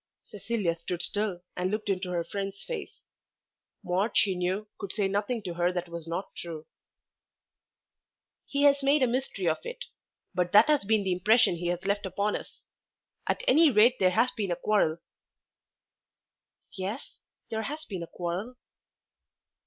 Cecilia stood still and looked into her friend's face. Maude she knew could say nothing to her that was not true. "He has made a mystery of it, but that has been the impression he has left upon us. At any rate there has been a quarrel." "Yes; there has been a quarrel."